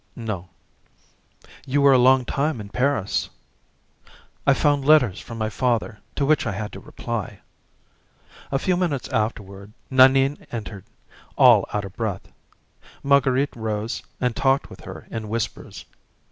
"No." "You were a long time in Paris." "I found letters from my father to which I had to reply." A few minutes afterward Nanine entered, all out of breath. Marguerite rose and talked with her in whispers.